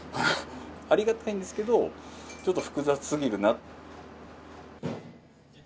ありがたいんですけど、ちょっと複雑すぎるなって。